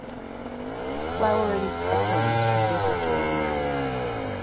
Flowering occurs from winter to early spring.